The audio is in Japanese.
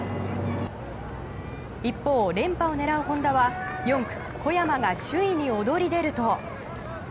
一方、連覇を狙うホンダは４区、小山が首位に躍り出ると。